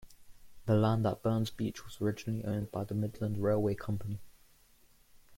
The land at Burns Beach was originally owned by the Midland Railway Company.